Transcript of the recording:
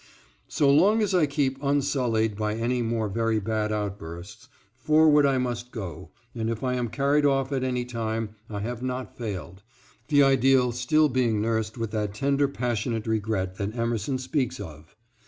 So long as I keep unsullied by any more very bad outbursts, forward I must go and if I am carried off at any time I have not failed, the ideal still being nursed with that tender passionate regret that Emerson speaks of.